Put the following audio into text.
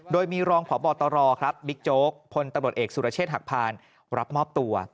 โดยมีรองพบตบิ๊กโจ๊กพตเอกสุรเชษฐ์หักพานรับมอบตัว